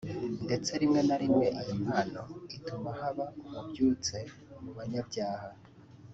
ndetse rimwe na rimwe iyo mpano ituma haba ububyutse mu banyabyaha